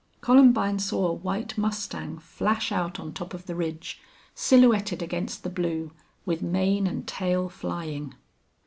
Columbine saw a white mustang flash out on top of the ridge, silhouetted against the blue, with mane and tail flying.